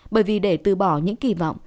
bởi vì để từ bỏ những kỳ vọng